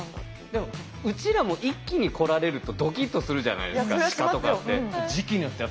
でもうちらも一気に来られるとドキッとするじゃないですか鹿とかって。